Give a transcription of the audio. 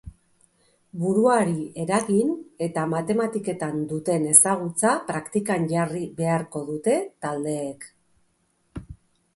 Buruari eragin eta matematiketan duten ezagutza praktikan jarri beharko dute taldeek.